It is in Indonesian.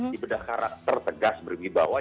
dibedah karakter tegas berlebih bawah